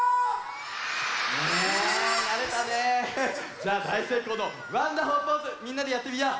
じゃあだいせいこうのワンダホーポーズみんなでやってみよう。